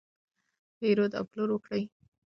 پیرود او پلور وکړئ.